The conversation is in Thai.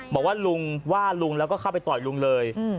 บอกว่าลุงว่าลุงแล้วก็เข้าไปต่อยลุงเลย